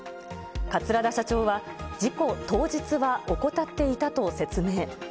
桂田社長は、事故当日は怠っていたと説明。